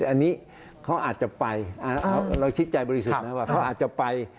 อันนี้เขาอาจจะไปเราชิดใจบริสุทธิ์นะว่าเขาอาจจะไป